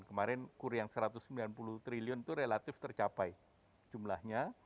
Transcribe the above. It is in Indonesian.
kemarin kur yang satu ratus sembilan puluh triliun itu relatif tercapai jumlahnya